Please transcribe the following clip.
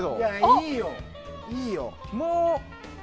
いいよ。